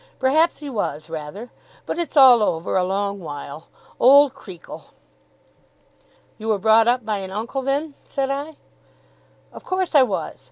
Perhaps he was rather. But it's all over, a long while. Old Creakle!' 'You were brought up by an uncle, then?' said I. 'Of course I was!